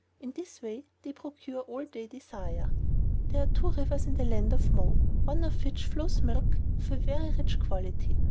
In this way they procure all they desire. There are two rivers in the Land of Mo, one of which flows milk of a very rich quality.